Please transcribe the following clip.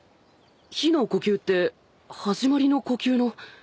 日の呼吸って始まりの呼吸の。